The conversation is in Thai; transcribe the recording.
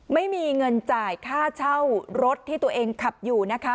ไม่มีเงินจ่ายค่าเช่ารถที่ตัวเองขับอยู่นะคะ